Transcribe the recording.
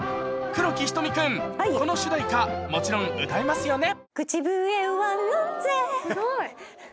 黒木瞳君、この主題歌、もちろん、歌えますよね。